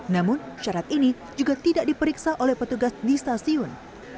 namun syarat ini juga tidak diperiksa oleh petugas di stasiun